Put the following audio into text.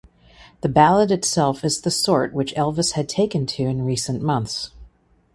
The ballad itself is the sort which Elvis had taken to in recent months.